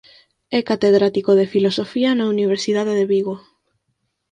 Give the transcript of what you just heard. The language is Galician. É catedrático de Filosofía na Universidade de Vigo.